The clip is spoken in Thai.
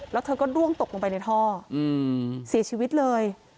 แล้วเธอก็ร่วงตกลงไปในท่อเสียชีวิตเลย